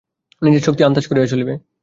নিজের শক্তি আন্দাজ করিয়া চলিবে।